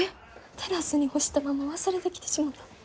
テラスに干したまま忘れてきてしもた。